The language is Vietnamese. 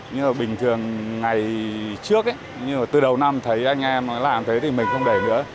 nhưng mà bình thường ngày trước từ đầu năm thấy anh em làm thế thì mình không để nữa